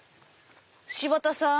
柴田さん！